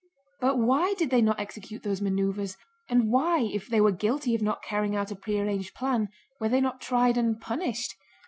But why did they not execute those maneuvers? And why if they were guilty of not carrying out a prearranged plan were they not tried and punished?